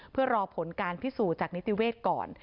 เพื่อรอผลการพิสูจน์จากนิติเวศก่อน